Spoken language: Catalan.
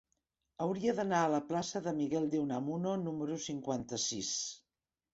Hauria d'anar a la plaça de Miguel de Unamuno número cinquanta-sis.